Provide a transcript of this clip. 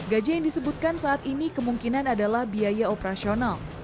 gaji yang disebutkan saat ini kemungkinan adalah biaya operasional